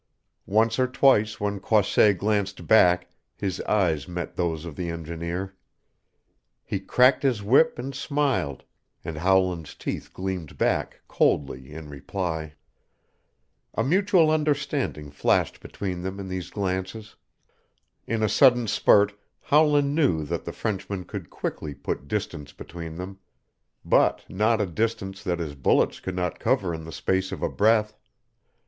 Once or twice when Croisset glanced back his eyes met those of the engineer. He cracked his whip and smiled, and Howland's teeth gleamed back coldly in reply. A mutual understanding flashed between them in these glances. In a sudden spurt Howland knew that the Frenchman could quickly put distance between them but not a distance that his bullets could not cover in the space of a breath.